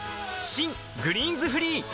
新「グリーンズフリー」